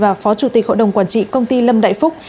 và phó chủ tịch hội đồng quản trị công ty lâm đại phúc